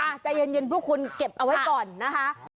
ใจเย็นพวกคุณเก็บเอาไว้ก่อนนะคะ